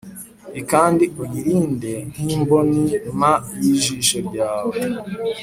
l kandi uyarinde nk imbonim y ijisho ryawe